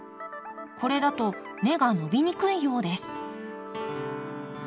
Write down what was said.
これだと根が伸びにくいようです。